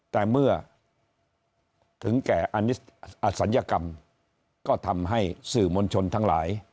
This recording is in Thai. แต่เมื่อถึงแก่อนศัลยกรรมก็ทำให้สื่อมวลชนทั้งหลาย